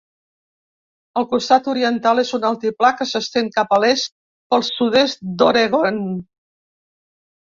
El costat oriental és un altiplà que s'estén cap a l'est pel sud-est d'Oregon.